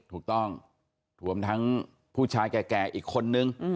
ถูกต้องรวมทั้งผู้ชายแก่อีกคนนึง